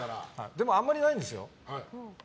でも、あんまりないんですよ。